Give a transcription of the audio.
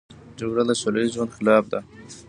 جګړه د سوله ییز ژوند خلاف ده